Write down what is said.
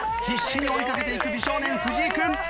必死に追いかけていく美少年藤井君。